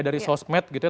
dari sosmed gitu ya